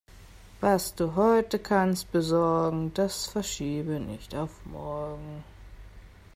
Was du heute kannst besorgen, das verschiebe nicht auf morgen.